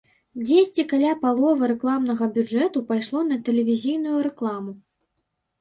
Дзесьці каля паловы рэкламнага бюджэту пайшло на тэлевізійную рэкламу.